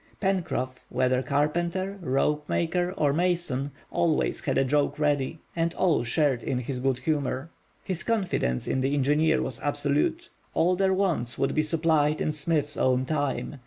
Pencroff, whether carpenter, ropemaker, or mason, always had a joke ready, and all shared in his good humor. His confidence in the engineer was absolute. All their wants would be supplied in Smith's own time.